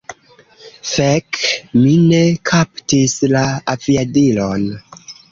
Fek! Mi ne kaptis la aviadilon!